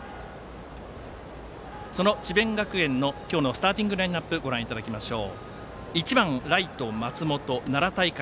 その智弁学園の今日のスターティングラインアップご覧いただきましょう。